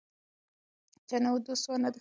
چي نه دو ست او نه دښمن یې دی کتلی